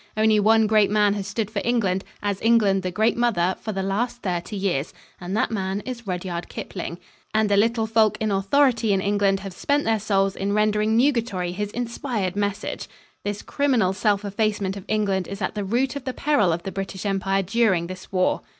Only one great man has stood for England, as England, the great Mother, for the last thirty years. And that man is Rudyard Kipling. And the Little Folk in authority in England have spent their souls in rendering nugatory his inspired message. This criminal self effacement of England is at the root of the peril of the British Empire during this war.